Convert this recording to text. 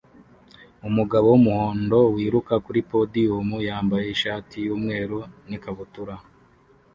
Umugabo wumuhondo wiruka kuri podiyumu yambaye ishati yumweru n'ikabutura